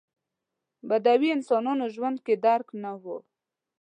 بدوي انسانانو ژوند کې درک نه و.